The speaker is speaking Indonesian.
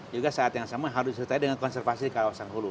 juga saat yang sama harus disertai dengan konservasi kawasan hulu